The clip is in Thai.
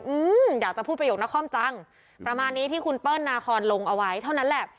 อืมอยากจะพูดประโยคนครจังประมาณนี้ที่คุณเปิ้ลนาคอนลงเอาไว้เท่านั้นแหละ